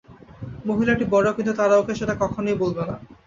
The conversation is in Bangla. মহিলাটি বড়, কিন্তু তারা ওকে সেটা কখনই বলবে না।